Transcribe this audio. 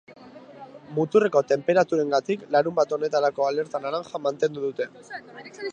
Muturreko tenperaturengatik larunbat honetarako alerta laranja mantendu dute.